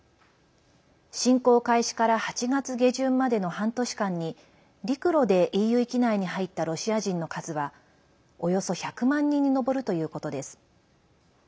侵攻開始から８月下旬までの半年間に陸路でＥＵ域内に入ったロシア人の数はおよそ１００万人に上るということです。